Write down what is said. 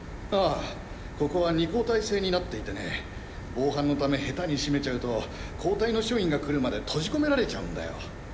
あぁここは２交代制になっていてね防犯のためヘタに閉めちゃうと交代の所員が来るまで閉じ込められちゃうんだよ。